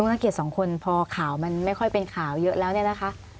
นักเกียจสองคนพอข่าวมันไม่ค่อยเป็นข่าวเยอะแล้วเนี่ยนะคะ